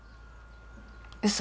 嘘。